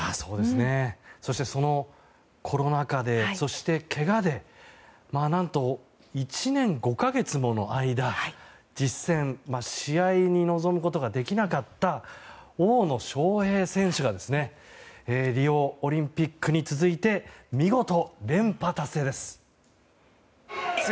そして、そのコロナ禍でそしてけがで何と１年５か月もの間実戦、試合に臨むことができなかった大野将平選手がリオオリンピックに続いて見事、連覇達成です。